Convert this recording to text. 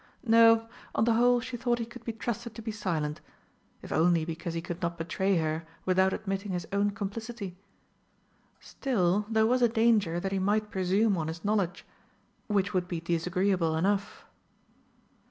No, on the whole, she thought he could be trusted to be silent if only because he could not betray her without admitting his own complicity. Still, there was a danger that he might presume on his knowledge which would be disagreeable enough.